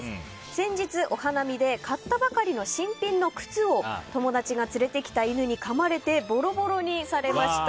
先日、お花見で買ったばかりの新品の靴を友達が連れてきた犬にかまれてボロボロにされました。